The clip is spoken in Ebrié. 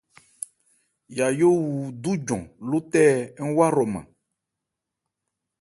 Yajó wu dújɔn lótɛɛ ń wa hrɔman.